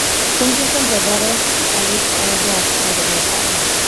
კუნძულზე მდებარეობს იტალიის ყველაზე აქტიური ვულკანი.